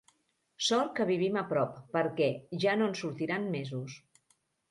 Sort que vivim a prop, perquè ja no en sortirà en mesos.